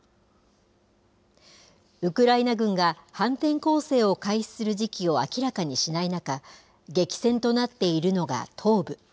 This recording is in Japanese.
ウクライナ軍が反転攻勢を開始する時期を明らかにしない中、激戦となっているのが東部。